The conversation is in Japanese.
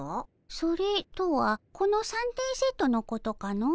それとはこの三点セットのことかの？